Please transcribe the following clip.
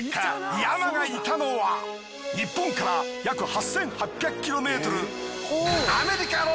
ＹＡＭＡがいたのは日本から約８，８００ｋｍ。